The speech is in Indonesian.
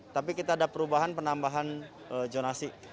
tapi kita ada perubahan penambahan zonasi